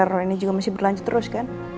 teror teror ini juga masih berlanjut terus kan